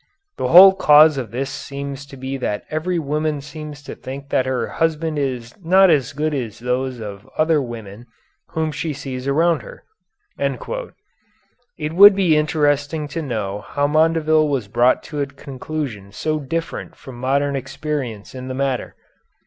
The whole cause of this seems to be that every woman seems to think that her husband is not as good as those of other women whom she sees around her." It would be interesting to know how Mondeville was brought to a conclusion so different from modern experience in the matter.